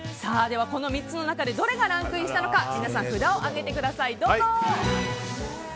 どれがランクインしたのか皆さん、札を上げてください。